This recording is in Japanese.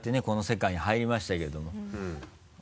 この世界に入りましたけども。